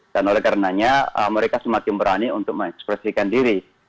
dan oleh karenanya mereka semakin berani untuk mengekspresikan diri